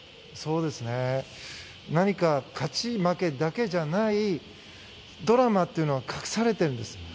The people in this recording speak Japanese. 何か勝ち負けだけじゃないドラマっていうのが隠されてるんです。